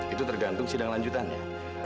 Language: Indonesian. itu tergantung sidang lanjutannya